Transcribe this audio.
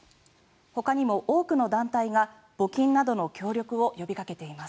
ほかにも多くの団体が募金などの協力を呼びかけています。